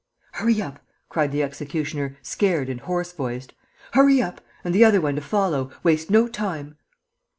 "Hurry up!" cried the executioner, scared and hoarse voiced. "Hurry up!... And the other one to follow.... Waste no time...."